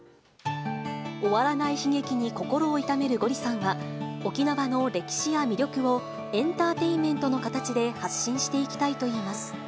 終わらない悲劇に心を痛めるゴリさんは、沖縄の歴史や魅力をエンターテインメントの形で発信していきたいといいます。